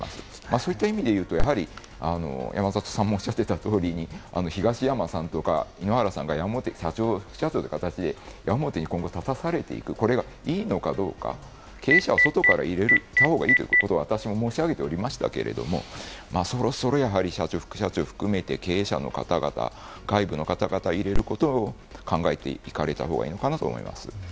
そういった意味でいうと、山里さんもおっしゃっていた通り、東山さんとか井ノ原さんが矢面に立つ形で今後立たされていく、これがいいのかどうか、経営者を外から入れた方がいいと私、申し上げておりましたけれども、そろそろやはり、社長、副社長を含めて経営者の方、外部の方を入れることを考えていかれた方がいいのかなと思います。